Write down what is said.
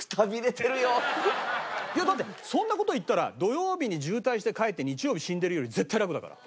いやだってそんな事言ったら土曜日に渋滞して帰って日曜日死んでるより絶対楽だから。